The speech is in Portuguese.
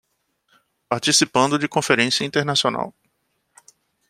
Participando de conferência internacional